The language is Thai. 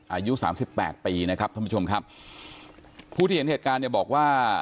อายุสามสิบแปดปีนะครับท่านผู้ชมครับผู้ที่เห็นเหตุการณ์เนี่ยบอกว่า